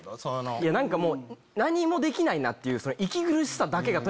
いや何もできないなっていう。